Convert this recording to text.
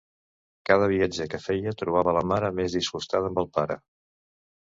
Cada viatge que feia trobava la mare més disgustada amb el pare.